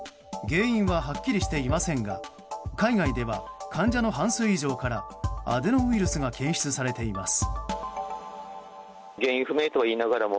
原因ははっきりしていませんが海外では患者の半数以上からアデノウイルスが検出されています。